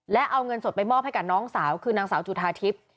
และเอาเงินสดไปมอบให้กับน้องสาวคือนางสาวจุธาทิพย์